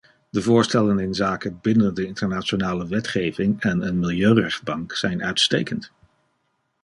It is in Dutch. De voorstellen inzake bindende internationale wetgeving en een milieurechtbank zijn uitstekend.